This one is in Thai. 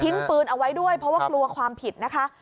ปืนเอาไว้ด้วยเพราะว่ากลัวความผิดนะคะ